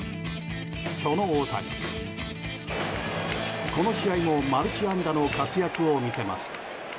その大谷、この試合もマルチ安打の活躍を見せます。